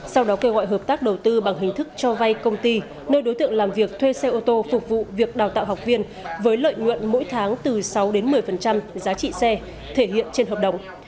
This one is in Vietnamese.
sau đó kêu gọi hợp tác đầu tư bằng hình thức cho vay công ty nơi đối tượng làm việc thuê xe ô tô phục vụ việc đào tạo học viên với lợi nhuận mỗi tháng từ sáu đến một mươi giá trị xe thể hiện trên hợp đồng